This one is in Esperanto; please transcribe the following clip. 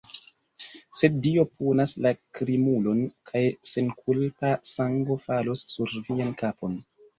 sed Dio punas la krimulon, kaj senkulpa sango falos sur vian kapon!